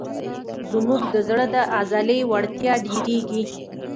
زموږ د زړه د عضلې وړتیا ډېرېږي.